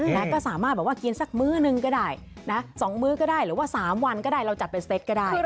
แล้วก็สามารถบอกว่ากินสักมื้อหนึ่งก็ได้นะ๒มื้อก็ได้หรือว่า๓วันก็ได้เราจัดเป็นสเต็กก็ได้